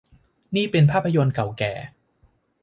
นี่เป็นภาพยนตร์เก่าแก่